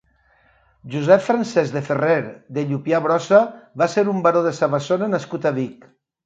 Josep Francesc de Ferrer de Llupià Brossa va ser un baró de Savassona nascut a Vic.